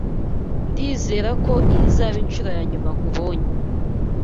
Ndizera ko iyi izaba inshuro ya nyuma nkubonye